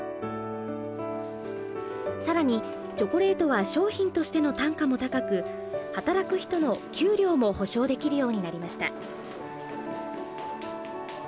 さらにチョコレートは商品としての単価も高く働く人の給料も保証できるようになりました。